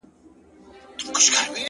زه به د درد يوه بې درده فلسفه بيان کړم،